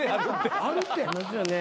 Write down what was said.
ありますよね。